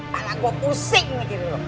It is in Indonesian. kalah gue pusing mikirin loh